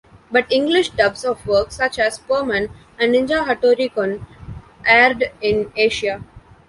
But English dubs of work such as Perman and Ninja Hattori-kun aired in Asia.